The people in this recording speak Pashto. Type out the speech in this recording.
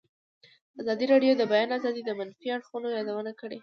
ازادي راډیو د د بیان آزادي د منفي اړخونو یادونه کړې.